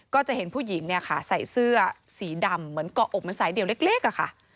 ก็จะเห็นผู้หญิงเนี่ยค่ะใส่เสื้อสีดำเหมือนเกาะอกมันสายเดียวเล็กอะค่ะ